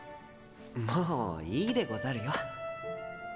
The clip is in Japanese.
もういいでござるよ。